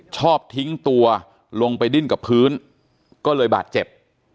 ชอบทิ้งตัวลงไปดิ้นกับพื้นก็เลยบาดเจ็บ